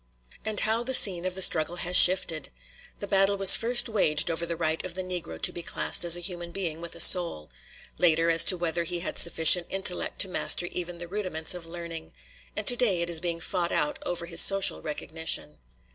And how the scene of the struggle has shifted! The battle was first waged over the right of the Negro to be classed as a human being with a soul; later, as to whether he had sufficient intellect to master even the rudiments of learning; and today it is being fought out over his social recognition.